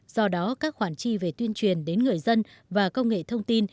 do đó các khoản chi về tuyên truyền đến người dân và công ty